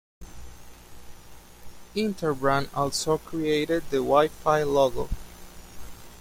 Interbrand also created the Wi-Fi logo.